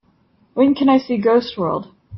When can I see Ghost World